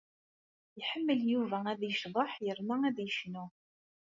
Iḥemmel Yuba ad yecḍeḥ yerna ad yecnu.